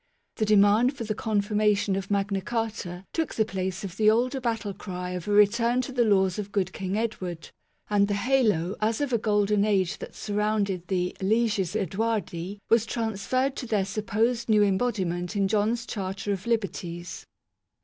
The demand for the confirmation of Magna Carta took the place of the older battle cry of a return to the laws of good King Edward, and the halo as of a golden age that surrounded the " leges Eadwardi " was transferred to their supposed new embodiment in John's Charter of Liberties.